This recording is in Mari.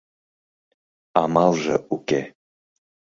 Амалже уке.